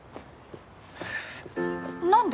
何で？